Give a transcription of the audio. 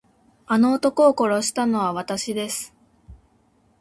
あの男を殺したのはわたしです。